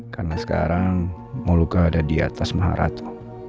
karena sekarang mau luka ada di atas maharatu